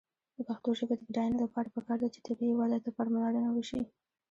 د پښتو ژبې د بډاینې لپاره پکار ده چې طبیعي وده ته پاملرنه وشي.